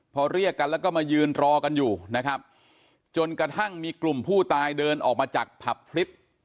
พอเรียกกันแล้วก็มายืนรอกันอยู่นะครับจนกระทั่งมีกลุ่มผู้ตายเดินออกมาจากผับคลิป